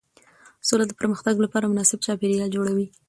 سوله د پرمختګ لپاره مناسب چاپېریال جوړوي